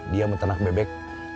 dia metanak bebek